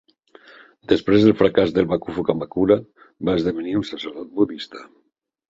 Després del fracàs del bakufu Kamakura, va esdevenir un sacerdot budista.